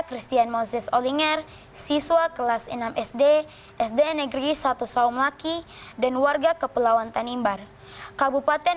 christian moses olinger siswa kelas enam sd sd negeri satu saum laki dan warga kepulauan tanimbar kabupaten